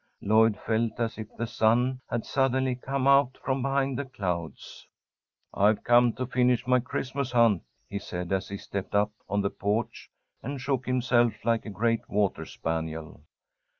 Lloyd felt as if the sun had suddenly come out from behind the clouds. "I've come to finish my Christmas hunt," he said, as he stepped up on the porch and shook himself like a great water spaniel.